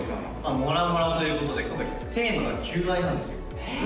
「ＭＯＲＡＭＯＲＡ」ということでテーマが「求愛」なんですよ